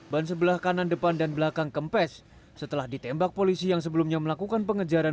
ban sebelah kanan depan dan belakang kempes setelah ditembak polisi yang sebelumnya melakukan pengejaran